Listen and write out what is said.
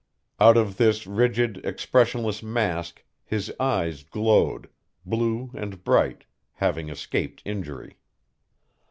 Out of this rigid, expressionless mask his eyes glowed, blue and bright, having escaped injury.